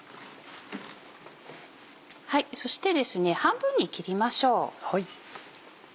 そしてですね半分に切りましょう。